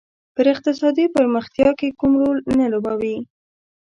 په اقتصادي پرمختیا کې کوم رول نه لوبوي.